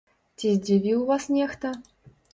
Ці здзівіў вас нехта?